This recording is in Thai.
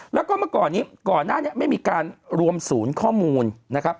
แล้วก็เมื่อก่อนนี้ก่อนหน้านี้ไม่มีการรวมศูนย์ข้อมูลนะครับ